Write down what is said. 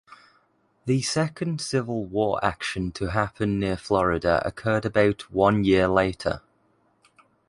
The second Civil War action to happen near Florida occurred about one year later.